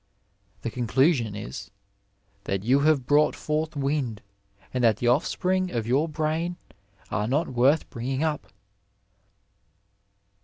'^ The conclusion is '^ that you have brought forth wind, and that the offq^ring of your brain are not worth bringing up."